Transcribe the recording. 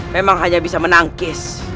memang hanya bisa menangkis